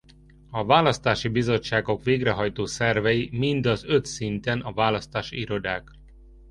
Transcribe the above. A választási bizottságok végrehajtó szervei mind az öt szinten a választási irodák.